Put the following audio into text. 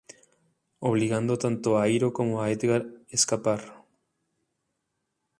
Obligando tanto a Hiro como a Edgar escapar.